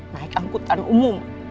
naik angkutan umum